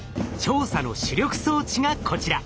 調査の主力装置がこちら。